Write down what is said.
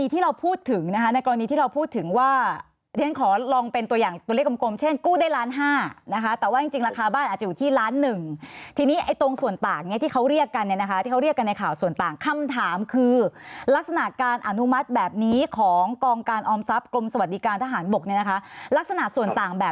ที่เราพูดถึงนะคะในกรณีที่เราพูดถึงว่าเรียนขอลองเป็นตัวอย่างตัวเลขกลมเช่นกู้ได้ล้านห้านะคะแต่ว่าจริงราคาบ้านอาจจะอยู่ที่ล้านหนึ่งทีนี้ไอ้ตรงส่วนต่างเนี่ยที่เขาเรียกกันเนี่ยนะคะที่เขาเรียกกันในข่าวส่วนต่างคำถามคือลักษณะการอนุมัติแบบนี้ของกองการออมทรัพย์กรมสวัสดิการทหารบกเนี่ยนะคะลักษณะส่วนต่างแบบ